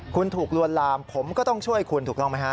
คุณถูกลวนลามผมก็ต้องช่วยคุณถูกต้องไหมฮะ